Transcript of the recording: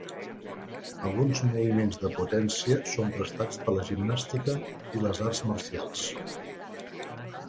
Alguns moviments de potència són prestats de la gimnàstica i les arts marcials.